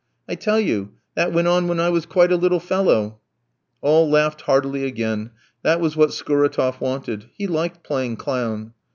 I tell you that went on when I was quite a little fellow." All laughed heartily again; that was what Skouratof wanted; he liked playing clown.